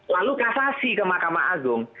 lalu kasasi ke mahkamah agung